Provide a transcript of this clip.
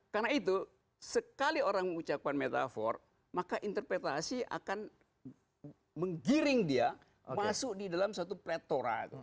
karena itu sekali orang mengucapkan metafor maka interpretasi akan menggiring dia masuk di dalam satu pletora